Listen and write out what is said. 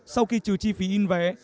sau khi trừ chi phí in vé